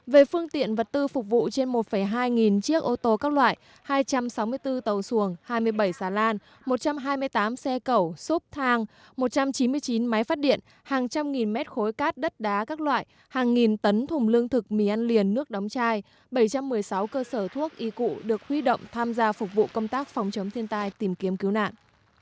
về phương tiện vật tư phục vụ trên một hai nghìn chiếc ô tô các loại hai trăm sáu mươi bốn tàu xuồng hai mươi bảy xà lan một trăm hai mươi tám xe cẩu xốp thang một trăm chín mươi chín máy phát điện hàng trăm nghìn mét khối cát đất đá các loại hàng nghìn tấn thùng lương thực mì ăn liền nước đóng chai bảy trăm một mươi sáu cơ sở thuốc y cụ được huy động tham gia phục vụ công tác phòng chống thiên tai tìm kiếm cứu nạn